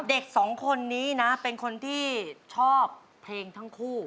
เด็กสองคนนี้นะเป็นคนที่ชอบเพลงทั้งคู่